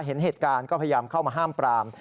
เห็นเหตุการณ์ก็พยายามเข้ามาห้ามปราม